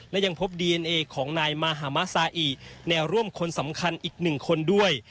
และยังพบดีเอ็นเอของนายมาฮามะซาอิแนวร่วมคนสำคัญอีกหนึ่งคนด้วย